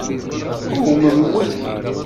Qewmem waki.